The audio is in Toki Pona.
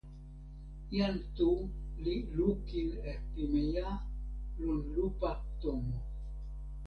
jan Tu li lukin e pimeja lon lupa tomo.